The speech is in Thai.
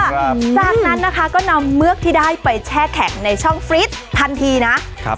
หลังจากนั้นนะคะก็นำเือกที่ได้ไปแช่แข็งในช่องฟรีดทันทีนะครับ